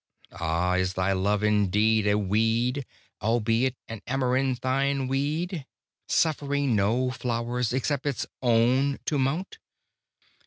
Ah! is Thy love indeed A weed, albeit an amaranthine weed, Suffering no flowers except its own to mount?